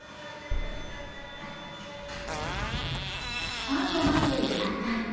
ファンの前で歌いたい。